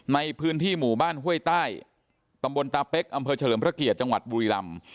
ในพื้นที่หมู่บ้านห้วยใต้ตำบลตาเป๊กอำเภอเฉลิมพระเกียรติจังหวัดบุรีลำ